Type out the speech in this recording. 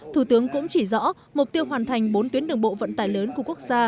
thủ tướng cũng chỉ rõ mục tiêu hoàn thành bốn tuyến đường bộ vận tải lớn của quốc gia